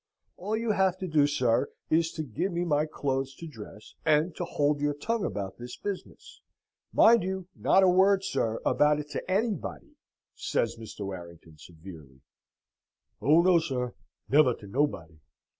"All you have to do, sir, is to give me my clothes to dress, and to hold your tongue about this business. Mind you, not a word, sir, about it to anybody!" says Mr. Warrington, severely. "Oh no, sir, never to nobody!"